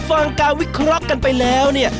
ฟังการวิเคราะห์กันไปแล้วเนี่ย